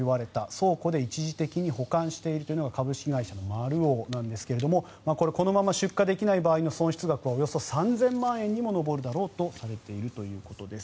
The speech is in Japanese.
倉庫で一時的に保管しているというのが株式会社の丸王ですがこれはこのまま出荷できない場合の損失額はおよそ３０００万円にも上るだろうとされていると。